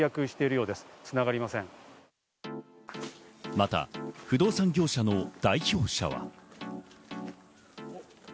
また不動産業者の代表者は。